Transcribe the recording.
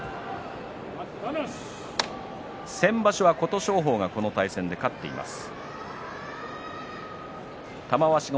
先場所は琴勝峰がこの対戦で勝っています。